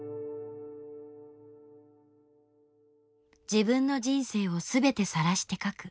自分の人生を全てさらして書く。